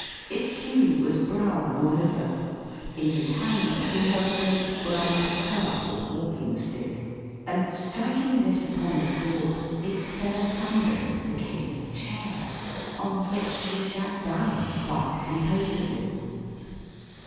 Its hue was brown, all over. In his hand he held a great brown club or walking stick; and striking this upon the floor, it fell asunder, and became a chair. On which he sat down, quite composedly.